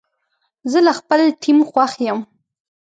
زه له خپل ټیم خوښ یم.